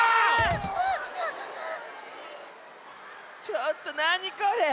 ちょっとなにこれ！